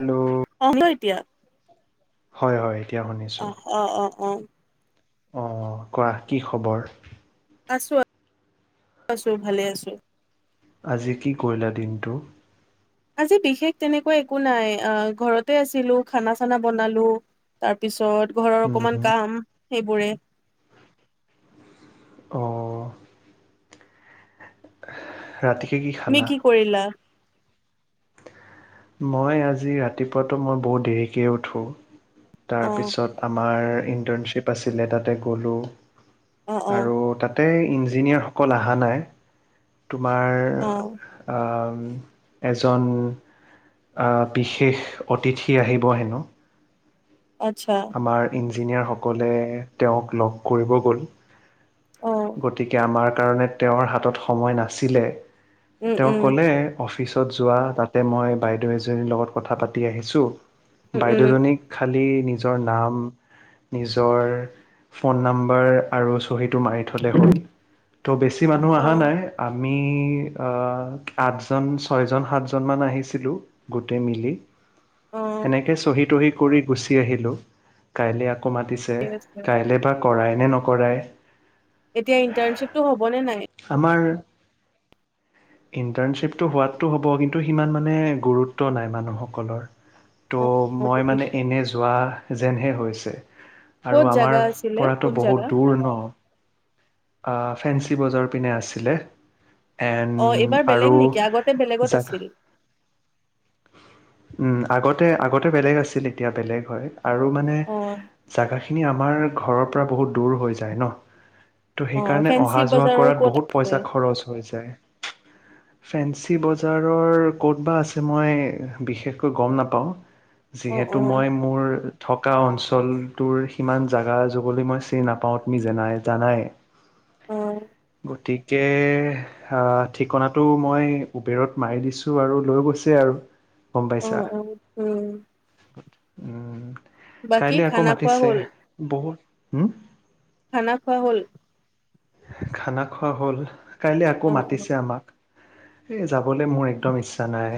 Hello অল এতিয়া হয় হয় এতিয়া অ অ অ অ অ কোৱা কি খবৰ আছো আছো ভালে আছো আজি কি কৰিলা দিনটো আজি বিশেষ তেনেকুৱা একো নাই আহ ঘৰতে আছিলো খানা চানা বনালো তাৰপিছত ঘৰৰ অকমান কাম সেইবোৰে অঁ [unintelligible] ৰাতিকৈ কি তুমি খালা কৰিলা মই আজি ৰাতিপুৱাতো মই বহুত দেৰিকে উঠোঁ অ তাৰপিছত আমাৰ ইণ্টাৰ্ণশ্বিপ আছিলে তাতে গ'লোঁ অ অ আৰু তাতে ইঞ্জিনিয়াৰসকল অহা নাই তোমাৰ অ আ এ এজন বিশেষ অতিথি আহিব হেনো আচ্ছা আমাৰ ই ইঞ্জিনিয়াৰসকলে তেওঁক লগ কৰিব গ'ল অ গতিকে আমাৰ কাৰণে তেওঁৰ হাতত সময় নাছিলে উম তেওঁ উম ক'লে অফিচত তোত যোৱা। তাতে মই বাইদেউ এজনীৰ লগত কথা পাতি আহিছোঁ। উম উম বাইদেউজনীক খালী জৰ নাম, নিজৰ ফোন নাম্বাৰ আৰু তো সেইটো মাৰি থলে হ'ল। তো বেছি মানুহ অ আহা নাই । আ আমি অ' আঠজন - ছয়জন - সাতজনমান আহিছিলোঁ, গোটেই মিলি। অ সেনেকে চহী-তহি কৰি গুচি আহিলোঁ। কাইলৈ কো মাতিছে ঠিক । আছে কাইলৈ এপা কৰাই নে নকৰাই। এতিয়া ইন্টাৰ্নশ্বিপটো হ'ব নে নাই? আমাৰ ইন্টাৰ্নশ্বিপটো হোৱাটো হ'ব। কিন্তু সিমান মানে গুৰুত্ব নাই মানুহসকলৰ। তো অ অ মই মানে বুজিছো এনে যোৱা যেনহে হয়। [unintelligible] ক'ত আৰু জাগা আমাৰ আছিলে পৰাতো কোন জাগা বহুত দূৰ ন'। আ ফেঞ্চি বজাৰত পিনে আছিলে। অ' এইবাৰ আৰু বেলেগ নেকি? আগতে বেলেগত জাগা আছিল। উম, আগতে- আগতে বেলেগ আছিল । এতিয়া বেলেগ হয়। আৰু মানে অ জাগাখিনি আমাৰ ঘৰৰ পৰা বহুত দূৰ হৈ যায় ন'। তো অ সেইকাৰণে ফেঞ্চি অহা-যোৱা বজাৰৰ কৰাত ক'ত বহুত আছে পইচা খৰচ হৈ যায়। ফেঞ্চি বজাৰৰ ক'ত বা আছে, মই বিশেষকৈ গম নাপাওঁ। অ অ যিহেতু মই মোৰ থকা অঞ্চলটোৰ সিমান জাগা- জগলৈ মই চিনি নাপাওঁ, তুমি জেনায়- জানায়ে। অ'। গতিকে আ- ঠিকনাটো মই উবেৰত মাৰি দিছোঁ আৰু লৈ গৈছে আৰু। গম অ পাইছা? অ উম উম, বাকী, কাইলৈ আকৌ খানা খোৱা মাতিছে হ'ল? বহুত হুম, খানা খোৱা হ'ল? খানা খোৱা হ'ল। কাইলৈ আকৌ অ অ মাতিছে আমাক। এ যাবলৈ মোৰ একদম ইচ্ছা নাই।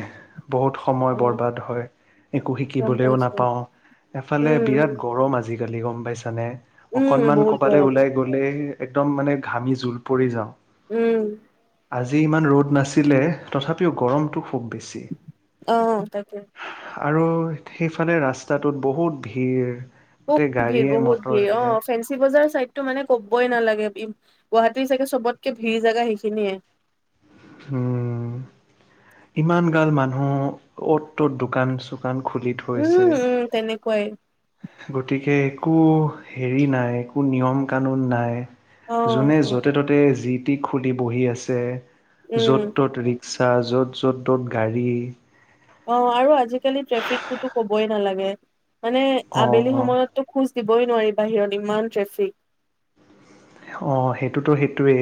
বহুত সময় অ বৰবাদ হয় । একো গম শিকিবলৈও পাইছো নাপাওঁ। এফালে উম বিৰাট গৰম আজি গালি গম পাইছানে উম উম অকনমান বহুত কবালৈ গৰম ওলাই গ'লে একদম মানে ঘামি জোল পৰি যাওঁ উম আজি ইমান ৰ'দ নাছিলে তথাপিও গৰমটো খুব বেছি আহ তাকে আৰু সেইফালে ৰাস্তাটোত বহুত ভিৰ গোটেই বহুত ভিৰ গাড়ীয়ে বহুত ভিৰ অ মটৰে ফেঞ্চি বজাৰ চাইড টো মানে ক'বই নালাগে উ গুৱাহাটীৰ চাগে চবতকে ভিৰ জোগা সেইখিনিয়ে উম ইমান গাল মানুহ অ'ত ত'ত দোকান চোকান দোকান খুলি থৈছে উম উম তেনেকুৱাই গতিকে একো হেৰি নাই একো নিয়ম কানুন নাই অ যোনে অ য'তে ততে যি খুটি-খুলি বহি আছে উম য'ত তত ৰিক চা য'ত য'ত ত'ত গাড়ী অ আৰু আজিকালি ট্ৰেফিকটোতো কবই নালাগে মানে আবেলি অ', সময়তো খোজ দিবই নোৱাৰিব বাহিৰত ইমান ট্ৰেফিক অ সেইটোতো সেইটোয়েই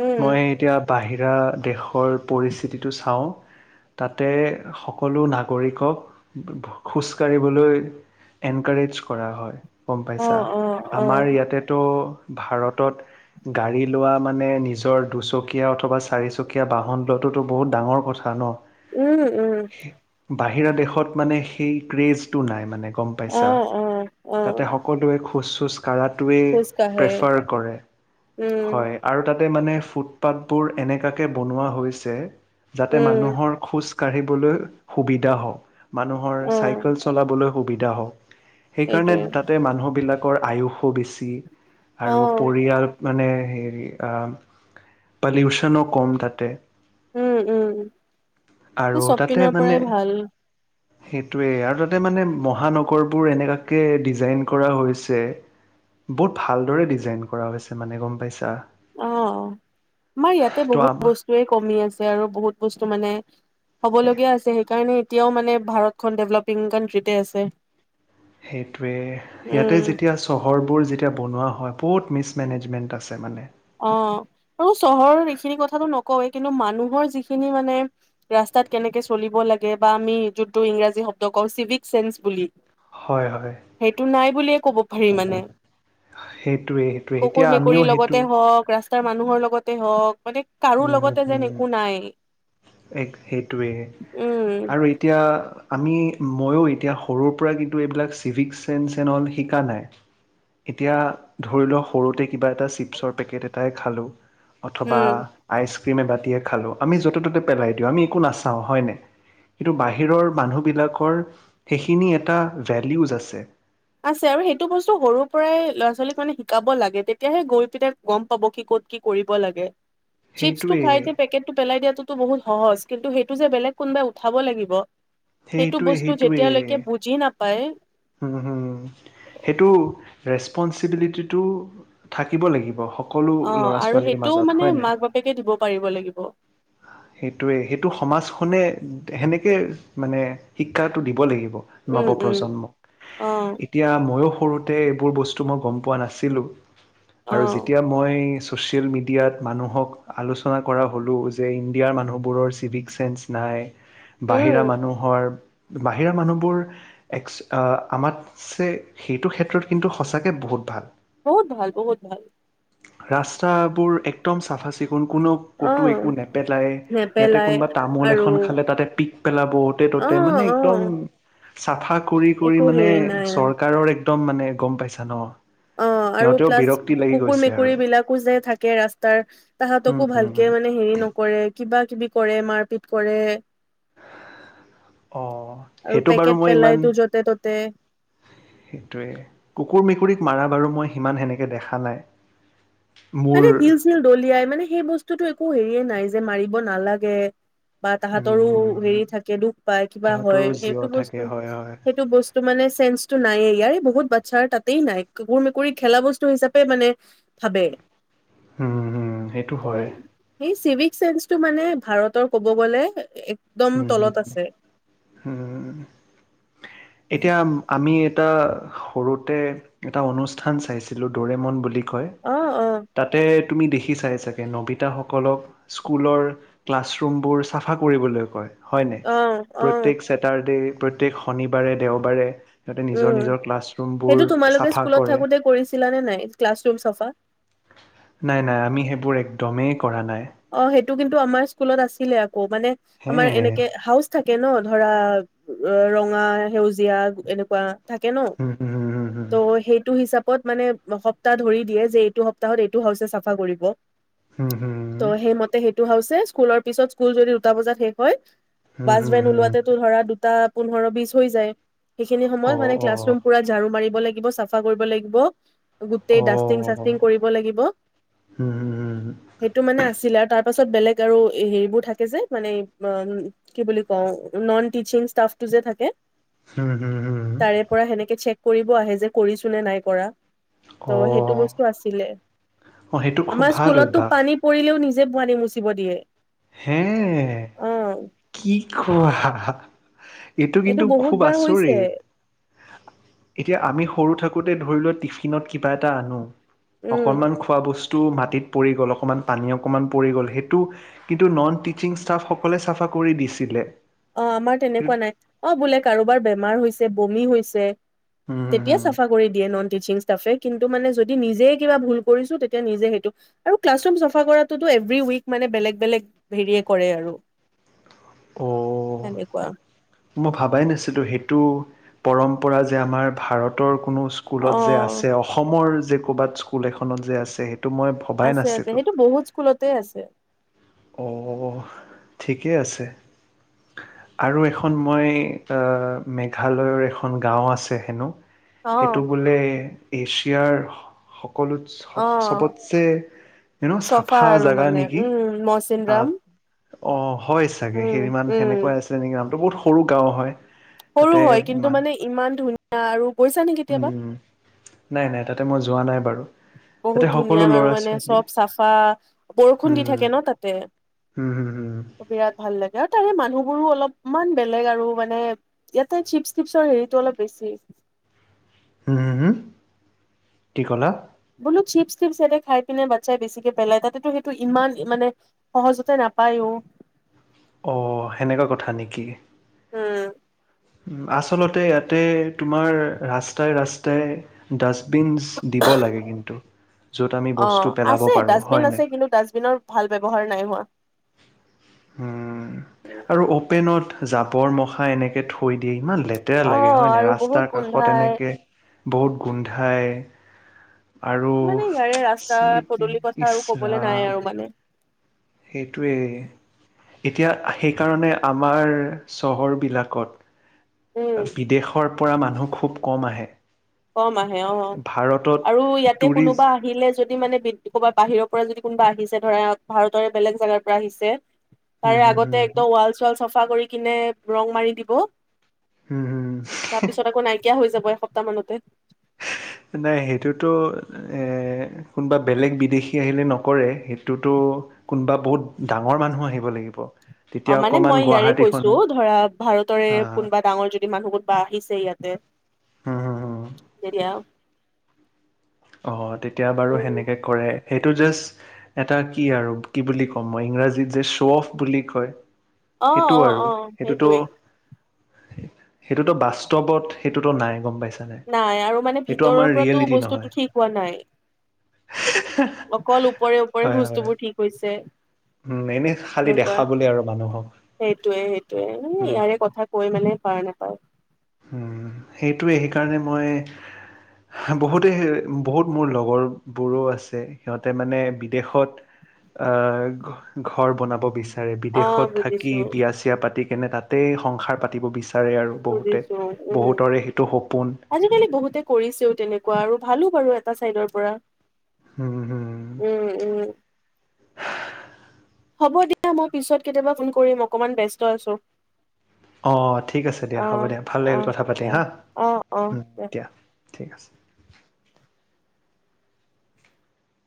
উম মই এতিয়া বাহিৰা দেশৰ পৰিস্থিতিটো চাওঁ তাতে সকলো নাগৰিকক খোজকাাঢ়িবলৈ এনকাৰেজ কৰা হয়। গম অ', পাইছা অ', আমাৰ অ', ইয়াতেতো ভাৰতত গাড়ী লোৱা মানে নিজৰ দুচকীয়া অথবা চাৰিচকীয়া বাহন লোৱাটোতো বহুত ডাঙৰ কথা ন উম উম বাহিৰা দেশত মানে সেই ক্ৰেজটো নাই মানে গম পাইচা অ', অ', অ', তাতে সকলোৱে খোজ চোজ কাৰাটোৱে খোজকাঢ়ে প্ৰেফাৰ কৰে উম, হয় আৰু তাত তাতে মানে ফুটপাথবোৰ এনেকুৱাকে বনোৱা হৈছে যাতে উম, মানুহৰ খোজ খোজ কাঢ়িবলৈ সুবিধা হওক মানুহৰ অ', চাইকেল চলাবলৈ সুবিধা হও সেইকাৰণে সেইটোৱে তাতে মানুহবিলাক কৰ আয়ুসো বেছি। আৰু অ', পৰিয়াল মানে হে- হেৰি আহ, পলিউচনো কম তাতে। উম উম। আৰু তাতে চপপিনৰ মানে পৰাই ভাল। সেইটোৱে আৰু তাতে মানে মহানগৰবোৰ এনেকুৱাকে ডিজাইন কৰা হৈছে। বহুত ভালদৰে ডিজাইন কৰা হৈছে মানে গম পাইছা? অ', আমাৰ ইয়াতে ত' বহুত আমাৰ বস্তুয়েই কমি আছে আৰু বহুত বস্তু মানে! হ'বলগীয়া আছে সেইকাৰণে এতিয়াও মানে ভাৰতখন ডেভেলপিং কাণ্ট্ৰিতে আছে। সেইটোৱে, ইয়াতে উম, যেতিয়া চহৰবোৰ যেতিয়া বনোৱা হয়। বহুত মিছমেনেজমেণ্ট আছে মানে। অ' আৰু চহৰৰ এইখিনি কথাটো নকওৱেই, কিন্তু মানুহৰ যিখিনি মানে ৰাস্তাত কেনেকে চলিব লাগে বা আমি যোনটো ইংৰাজী শব্দ কওঁ চিভিক চেন্স বুলি! হয় হয় সেইটো নাই বুলিয়ে ক'ব পাৰি মানে। সেইটোৱে সেইটোৱে এতিয়া আমিও কুকুৰ-মেকুৰীৰ লগত [unintelligible] সেইটো হওক ৰাচ তাৰ মানুহৰ লগতে হওক মানে কাৰো উম লগতে যেন একো নাই [unintelligible] এক্স সেইটোৱেই উম আৰু এতিয়া! আমি ময়ো এতিয়া সৰুৰ পৰা কিন্তু এইবিলাক চিভিক চেঞ্চ এন অল শিকা নাই। এতিয়া ধৰি লও সৰুতে কিবা এটা চিপছৰ পেকেট এট টাই খালোঁ অথবা উম আইচক্ৰীম এবাতিয়ে খালো, আমি য'তে-ত'তে পেলাই দিওঁ আমি একো নাচাও হয়নে? কিন্তু বাহিৰৰ মানুহবিলাকৰ সেইখিনি এটা ভেলিওজ আছে। আছে আৰু সেইটো বস্তু সৰুৰ পৰাই ল'ৰা-ছোৱালীক মানে শিকাব লাগে তেতিয়াহে গৈ পিনে গম পাব কি ক'ত কি কৰিব লাগে? চিপচটো সেইটোৱে খাই পেকেটটো পেলাই দিয়াটোতো বহুত সহজ কিন্তু সেইটো যে বেলেগ কোনোবাই উঠাব লাগিব সেইটো সেইটোৱে বস্তু যেতিয়ালৈকে বুজি নাপ পায় উম হম সেইটো ৰেচপনঞ্চিবিলিটিটো থাকিব লাগিব, সক অ' আৰু সেইটোও মানে মাক-বাপেকে দিব পাৰিব লাগিব। [unintelligible] হেনেকৈ মানে শিক্ষাটো দিব লাগিব উম নৱ উম প্ৰজন্মক অ এতিয়া ময়ো সৰুতে এইবোৰ বস্তু মই গম পোৱা নাছিলোঁ। অ আৰু যেতিয়া মই ছ'চিয়েল মিডিয়াত মানুহক আলোচনা কৰা হ'লোঁ যে ইণ্ডিয়াৰ মানুহবোৰৰ চিভিক চেন্স নাই। বাহিৰা উম মানুহৰ বাহিৰা মানুহবোৰ একছে আমাত ছেহে সেইটো ক্ষেত্ৰত কিন্তু সঁচাকৈ বহুত ভাল বহুত ভাল বহুত ভাল ৰাস্তাবোৰ একদম চাফা চিকুণ কোন কোনো কতো অ একো নেপেলাই ইয়াতে নেপেলাই কোনোবা তামোল আৰু এখন খালে তাতে পিক পেলাব অ'তে অ ত'তে মানে অ একদম চাফা কৰি কৰি একো মানে হেৰি নাই চৰকাৰৰ একদম মানে গম পাইছা ন অ আৰু সিহঁতেও প্লাছ বিৰক্তি লাগি কুকুৰ গৈছে আৰু মেকুৰী বিলাকো যে থাকে ৰাস্তাৰ উম তাহতকো উম উম ভালকে মানে হেৰি নকৰে কিবা। কিবি কৰে মাৰপিট কৰে। অ আৰু সেইটো বাৰু পেকেট মই ইমান পেলাইতো য'তে ত'তে সেইটোৱে কুকুৰ মেকুৰীক মাৰা বাৰু মই সিমান সেনেকে দেখা নাই। মোৰ মানে শিল চিল দলিয়াই মানে সেই বস্তুটো একো হেৰিয়ে নাই যে মাৰি ব নালাগে। বা তাহতৰো হেৰি উম থাকে দুখ পাই কিবা হয় তাহতৰো জীৱ সেইটো বস্তু থাকে হয় হয় সেইটো বস্তু মানে চেন্সটো নাইয়ে ইয়াৰে বহুত বা চাৰ তাতেই নাই কুকুৰ মেকুৰী খেলা বস্তু হিচাপে মানে ভাবে উম হম সেইটো হয় সেই চিভিক চেন্সটো মানে ভাৰতৰ ক'ব গ'লে এক হম হম হম এতিয়া আমি এটা সৰুতে এটা অনুষ্ঠান চাইছিলো দৰেমন বুলি কয় অ', অ', তাতে তুমি দেখিছাই চাগে ন নবিতাসকলক স্কুলৰ ক্লাছৰুম বোৰ চাফা কৰিবলৈ হয় হয়নে অ', অ', প্ৰত্যয়েক চেছেটাৰডে প্ৰত্যেক শনিবাৰে দেওবাৰে সিহঁতে নিজৰ উম নিজৰ ক্লাছৰুমবোৰ সেইতো তোমালোকে চাফা স্কুলত কৰে থাকোতে কৰিছিলা নে নাই ক্লাছৰুম চাফা? নাই নাই আমি সেইবোৰ একদমেই কৰা নাই। অ সেইটো কিন্তু আমাৰ স্কুলত আছিলে আ মোৰ মানে হে আমাৰ এনেকে হাউচ থাকে ন ধৰা ৰঙা, সেউজীয়া এ থাকে ন হুম হুম হুম ত' হুম সেইটো হিচাপ কত মানে সপ্তাহ ধৰি দিয়ে যে এইটো সপ্তাহত এইটো হাউচ চাফা কৰিব। হম ত সেইমতে সেইটো হাউচেচ স্কুলৰ পিছত স্কুল যদি দুটা বজাত শেষ হয় হুম বাজ হুম বেন হুম হুম ওলোৱাাতে তো ধৰা দুটা পোন্ধৰ বিচ হৈ যায়। সেইখিনি সময়ত অ মানে অ ক্লাছৰুম পুৰা ঝাৰু মাৰিব লাগে চাফা কৰিব লাগিব গোটেই অ ডাষ্টিং চাষ্টিং কৰিব লাগিব। হুম হুম আছিলে আৰু তাৰ পাছত বেলেগ আৰু হেৰিবোৰ থাকে যে মানে কি বুলি কওঁ ননটিচিং ষ্টাফ টো যে থাকে হুম হুম হুম তাৰে পৰা সেনেকে চেক কৰিব আহে যে কৰিছো নে নাই কৰা অ ত' সেইটো বস্তু আছিলে অ সেইটো খুব আমাৰ ভাল স্কুলতো অভ্যাস পানী ও নিজে পোৱালিক মুচিব দিয়ে। হে অ' কি [unintelligible] এইটো কিন্তু বহুত খুব বাৰ হৈছে আচৰিত, এতিয়া আমি সৰু থাকো বহুতে ধৰি ল টিফিনত কিবা এটা আনো। উম। অকনমান খোৱা বস বস্তুবোৰ মাটিত পৰি গ'ল অকমান পানী অকমান পৰি গ'ল সেটো কিন্তু নন টিচিং সকলে চাফা কৰি দিছিলে। অ আমাৰ তেনেকুৱা নাই হুম অ বোলে কাৰোবাৰ বেমাৰ হৈছে বমি হৈ আছে হুম তেতিয়া হুম চাফা কৰি দিয়ে নন টিচিং ষ্টাফে কিন্তু মানে যদি নিজেই কিবা ভুল কৰিছো তেতিয়া নিজে সেইটো আৰু ক্লাছ ৰূম চাফা কৰাটোত এভ্ৰি উইক মানে বেলেগ বেলেগ হেৰিয়ে কৰে আৰু। অ তেনেকুৱা মই ভাবাই নাছিলো সেইটো পৰম্পৰা যে আমাৰ ভাৰতৰ কোনো অ স্কুলত যে আছে অসমৰ যে ক'ৰবাত স্কুল এখনত যে আছে সেই আছে আছে সেইটো বহুত স্কুলতে আছে। অ ঠিকেই আছে আৰু এখন মই মেঘালয়ৰ এখন গাঁও আছে হেনো অ সেইটো বোলে এছিয়াৰ সকলোত অ চবতছে চাফা জাগা নেকি? মৌচিন আহ, ৰাম অ হয় চাগে সেই ইমান সেনেকুৱাই আছিল নেকিমান বহুত সৰু গাঁও হয় সৰু তাতে হয় কিন্তু মান মানে ইমান ধুনীয়া আৰু গৈছা নে কেতিয়াবা উম নাই নাই তাত তাতে মই যোৱা নাই বাৰু তাতে বহুত সকলো ধুনীয়া বাৰু ল'ৰা মানে ছোৱালী চব চাফা বৰষুণ দি উম, থাকে ন তাতে হুম, হুম, হুম, হুম, বিৰাট ভাল লাগে আৰু তাৰে মানুহবোৰো অলপ ইমান বেলেগ আৰু মানে ইয়াতে চিপ ছিপৰ হেৰিটো অলপ বেছি কি ক'লা বোলো চিপছ চিপছ এতে খাই পিনে বাচ্ছাই বেছিকে পেলাই তাতেতো সেইটো ইমান মানে সহজতে নাপায়ো অ সেনেকুৱা কথা নেকি? উম আচলতে ইয়াতে তোমাৰ ৰাস্তাই ৰাস্তাই দাস্ত ডাস্টবিনচ দিব লাগে কিন্তু য'ত আমি অ বস্তু পেলাব আছে পাৰো ডাষ্টবিন হয় নে? আছে কিন্তু ডাষ্টবিনৰ ভাল ব্যৱহাৰ নাই হোৱা উম আৰু অপেনত জাবৰ মখা এনেকৈ থৈ দিয়ে ইমান লেতেৰা অ লাগে হয় ন আৰু বহুত ৰাস্তাৰ কাষত গোন্ধাই এনেকে বহুত গোন্ধায় মানে ইয়াৰে ৰাস্তা পদূলিৰ কথা আৰু কবলৈ নাই আৰু মানে সেইটোৱেই এতিয়া সেইকাৰণে আমাৰ চহৰ উম বিলাকত বিদেশৰ পৰা মানুহ খুব কম আহে কম আহে অ অ ভাৰতত আৰু ইয়াতে টুৰিষ্ট কোনোবা আহিলে যদি মানে বি ক'বাত বাহিৰক যদি কোনোবা আহিছে ধৰা ভাৰতৰে বেলেগ জেগাৰ পৰা আহিছে উম তাৰে হুম আগতে হুম একদম ৱাল চাল চাফা কৰি কিনে ৰং মাৰি দিব হুম হুম তাৰ পিছত আকৌ নাইকিয়া হৈ যাব ক এসপ্তাহ মানতে নাই সেইটোতো এ কোনোবা বেলেগ বিদেশী আহিলে নকৰে সেইটোতো কোনোবা বহুত ডাঙৰ মানুহ আহিব লাগিব তেতিয়া অ মানে অকমান মই ইয়াৰে গুৱাহাটীখন কৈছো ধৰা ভাৰতৰে হা কোনোবা ডাঙৰ যদি মানুহ কোনোবা আহিছে ইয়াতে হম হম হম তেতিয়া অ তেতিয়া বাৰু উম সেনেকে কৰে সেইটো জাষ্ট এটা কি আৰু কি বুলি কম মই ইংৰাজীত যে শ্ব' অফ বুলি কয়। অ সেইটো অ আৰু অ সেইটোতো সেইটোৱে সেইটোতো বাস্তৱত সেইটোতো নাই, গম পাই নাই । আৰু মানে ভিতৰৰ পৰাতো বস্তুটো নহয় ঠিক হোৱা নাই । অকল ওপৰে - ওপৰে হয় হয় বস্তুবোৰ ঠিক হৈছে। তে উম এনেই খালি এনেকুৱা দেখাবলে । আৰু মানুহক সেইটোৱে- সেইটোৱে মানে উম ইয়াৰে কথা কৈ মানে পৰা নাই। [unintelligible] উম, সেইটোৱে। সেইকাৰণে মই বহুতে- বহুত মোৰ লগৰবোৰো আছে । সিহঁতে মানে বিদেশত আহ- ঘৰ বনাব বিচা তাৰে অ বিদেশত থাকি, বুজিছো। বিয়া-চিয়া পাতি কেনে তাতেই সংসাৰ পাতিব বিচা তাৰে আৰু বহুতে। বুজিছো উম বহুতৰে সেইটো সপোন । আজিকালি বহুতে কৰিছেও তেনেকুৱা আৰু ভাল তো বাৰু এটা চাইডৰ পৰা। উম - উম। হ'ব দিয়া। মই পিছত কেতিয়াবা ফোন কৰিম। অকমান ব্যস্ত আছোঁ। অ' ঠিক আছে দিয়া । হ'ব দিয়া । ভাল লাগিল অ', কথা পাতি অ', হা। অ', অ'। দিয়া। ঠিক আছে।